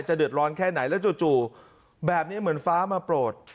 เดือดร้อนแค่ไหนแล้วจู่แบบนี้เหมือนฟ้ามาโปรด